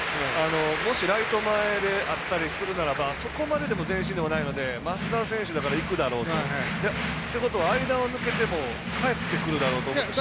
もしライト前であったりするならばそこまで前進でもないので増田選手だから、いくだろうと。ということは間を抜けてもかえってくるだろうと思ってしまって。